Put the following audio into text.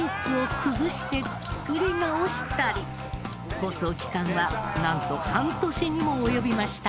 放送期間はなんと半年にも及びましたが。